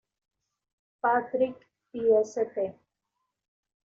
Patrick y St.